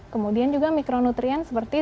kemudian juga mikronutrien seperti